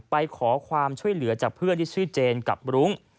ไปขอความช่วยเหลือจากเพื่อนที่ชื่อเจนกับรุ้ง